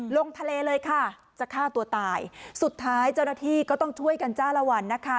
ลงทะเลเลยค่ะจะฆ่าตัวตายสุดท้ายเจ้าหน้าที่ก็ต้องช่วยกันจ้าละวันนะคะ